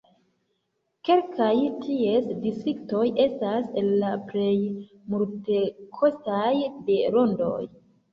Kelkaj ties distriktoj estas el la plej multekostaj de Londono.